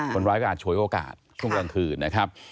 คนร้ายก็อาจฉวยโอกาสช่วงกลางคืนนะครับ